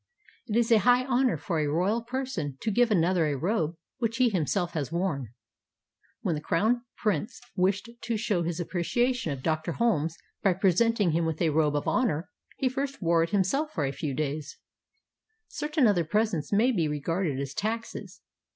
It is a high honor for a royal person to give another a robe which he himself has worn. When the crown prince wished to show his appreciation of Dr. Holmes by presenting him with a robe of honor, he first wore it himself a few days. Certain other presents maybe regarded as taxes.